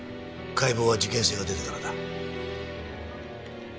解剖は事件性が出てからだ。